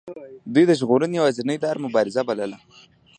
دوی د ژغورنې یوازینۍ لار مبارزه بلله.